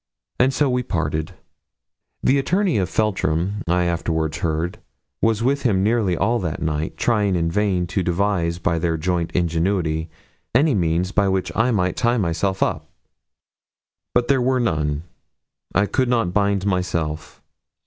And so we parted. The attorney from Feltram, I afterwards heard, was with him nearly all that night, trying in vain to devise by their joint ingenuity any means by which I might tie myself up. But there were none. I could not bind myself.